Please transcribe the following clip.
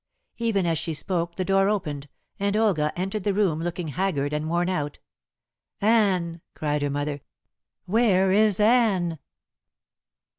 Even as she spoke the door opened, and Olga entered the room looking haggard and worn out. "Anne!" cried her mother. "Where is Anne?"